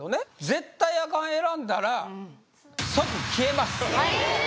絶対アカン選んだら即消えますええー？